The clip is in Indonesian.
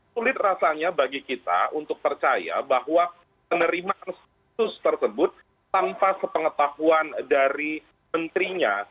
sulit rasanya bagi kita untuk percaya bahwa penerimaan status tersebut tanpa sepengetahuan dari menterinya